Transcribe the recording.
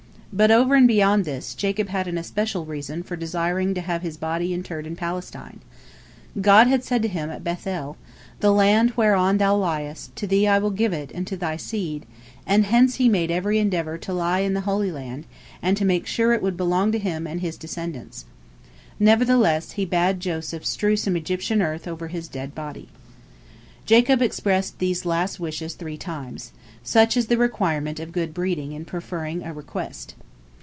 But over and beyond this, Jacob had an especial reason for desiring to have his body interred in Palestine. God had said to him at Beth el, "The land whereon thou liest, to thee will I give it, and to thy seed," and hence he made every endeavor to "lie" in the Holy Land, to make sure it would belong to him and his descendants. Nevertheless he bade Joseph strew some Egyptian earth over his dead body. Jacob expressed these his last wishes three times. Such is the requirement of good breeding in preferring a request.